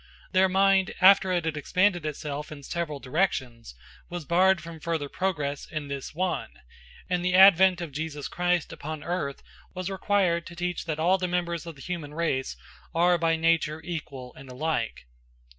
Their mind, after it had expanded itself in several directions, was barred from further progress in this one; and the advent of Jesus Christ upon earth was required to teach that all the members of the human race are by nature equal and alike.